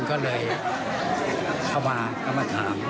ก็เลยเข้ามาเข้ามาถาม